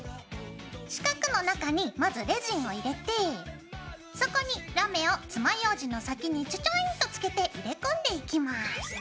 四角の中にまずレジンを入れてそこにラメを爪ようじの先にちょちょんとつけて入れ込んでいきます。